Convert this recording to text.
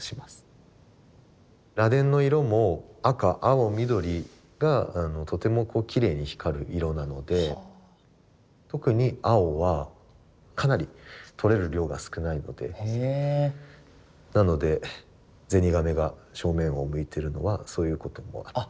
螺鈿の色も赤青緑がとてもきれいに光る色なので特に青はかなりとれる量が少ないのでなのでゼニガメが正面を向いてるのはそういうこともあったり。